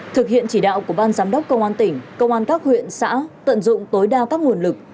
thực hiện chỉ đạo của ban giám đốc công an tỉnh công an các huyện xã tận dụng tối đa các nguồn lực